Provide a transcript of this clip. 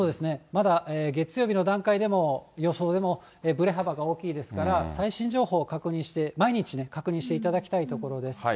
まだ月曜日の段階でも、予想でも、ぶれ幅が大きいですから、最新情報を確認して、毎日ね、確認していただきたいところです。